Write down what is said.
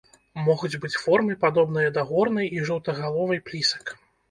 Могуць быць формы, падобныя да горнай і жоўтагаловай плісак.